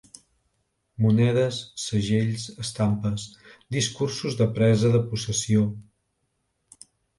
Monedes, segells, estampes, discursos de presa de possessió...